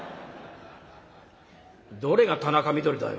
どれが田中みどりだよ？